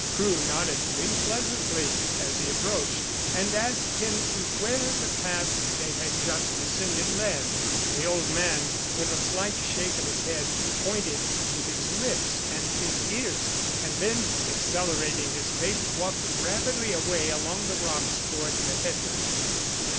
Crewe nodded to him pleasantly as he approached, and asked him to where the path they had just descended led. The old man, with a slight shake of his head, pointed to his lips and his ears, and then, accelerating his pace, walked rapidly away along the rocks towards the headland.